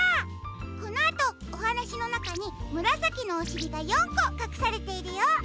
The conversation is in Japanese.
このあとおはなしのなかにむらさきのおしりが４こかくされているよ。